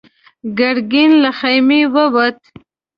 ګرګين له خيمې ووت.